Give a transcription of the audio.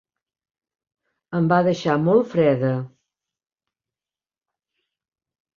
Em va deixar molt freda.